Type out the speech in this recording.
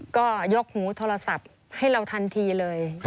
ก็ยกหูโทรศัพท์ให้เราทันทีเลย